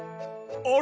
あれ？